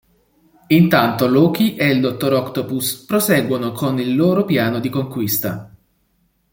Intanto Loki e il Dottor Octopus proseguono con il loro piano di conquista.